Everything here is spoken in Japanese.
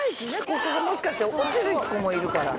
ここでもしかして落ちる子もいるから。